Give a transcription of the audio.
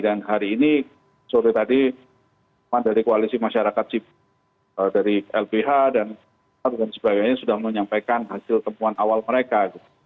dan hari ini sore tadi dari koalisi masyarakat sipil dari lbh dan sebagainya sudah menyampaikan hasil temuan awal mereka